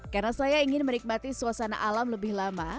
karena saya ingin menikmati suasana alam lebih lama